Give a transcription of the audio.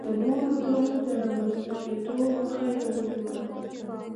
د نورو ډلو د رامنځته کېدو مخه یې ونیوله.